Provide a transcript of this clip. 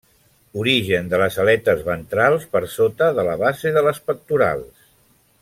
Origen de les aletes ventrals per sota de la base de les pectorals.